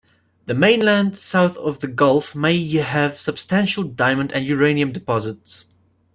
The mainland south of the gulf may have substantial diamond and uranium deposits.